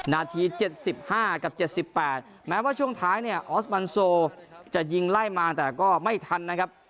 นาที๗๕กับ๗๘แม้ว่าช่วงท้ายเนี่ยออสมันโซจะยิงไล่มาแต่ก็ไม่ทันนะครับ